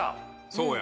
そうや。